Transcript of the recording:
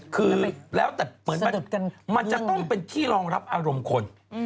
คือแล้วแต่เหมือนมันจะต้องเป็นที่รองรับอารมณ์คน